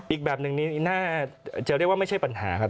อีกแบบหนึ่งนี้น่าจะเรียกว่าไม่ใช่ปัญหาครับ